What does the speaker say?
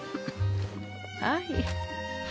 はい。